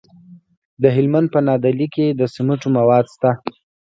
د هلمند په نادعلي کې د سمنټو مواد شته.